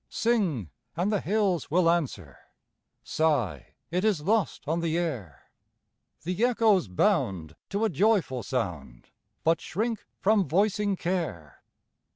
Sing, and the hills will answer; Sigh, it is lost on the air; The echoes bound to a joyful sound, But shrink from voicing care.